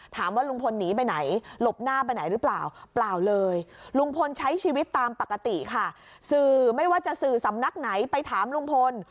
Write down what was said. ถามว่าลุงพลหนีไปไหนหลบหน้าไปไหนหรือเปล่าเปล่าเลยลุงพลใช้ชีวิตตามปกติค่ะสื่อไม่ว่าจะสื่อสำนักไหนไปถามลุงพล